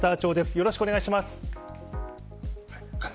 よろしくお願いします。